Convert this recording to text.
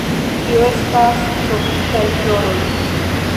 Tio estas tropikaj floroj.